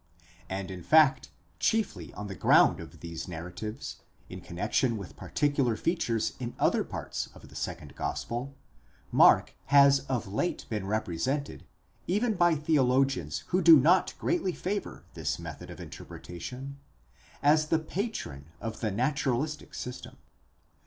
12 And in fact chiefly on the ground of these narratives, in connexion with particular features in other parts of the second gospel, Mark has of late been represented, even by theologians who do not greatly favour this method of interpretation, as the patron of the naturalistic system.